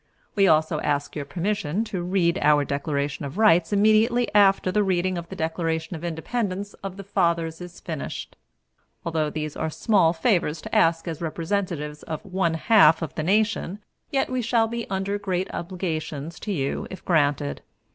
We also ask your permission to read our Declaration of Rights immediately after the reading of the Declaration of Independence of the Fathers is finished. Although these are small favors to ask as representatives of one half of the nation, yet we shall be under great obligations to you if granted.